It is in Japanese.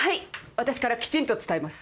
私からきちんと伝えます。